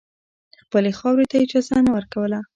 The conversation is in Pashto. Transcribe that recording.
خپلې خاورې ته اجازه نه ورکوله.